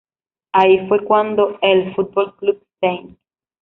Ahí fue cuando el F. C. St.